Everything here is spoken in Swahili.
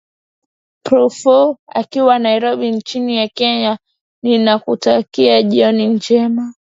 zipporah akiwa nairobi nchini kenya ninakutakia jioni njema